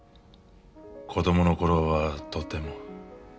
子どもの頃はとても。